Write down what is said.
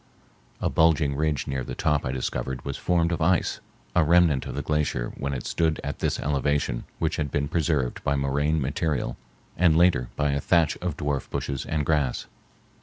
A bulging ridge near the top I discovered was formed of ice, a remnant of the glacier when it stood at this elevation which had been preserved by moraine material and later by a thatch of dwarf bushes and grass.